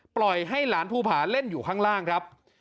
ปล่อยให้หลานภูผาเล่นอยู่ข้างล่างครับ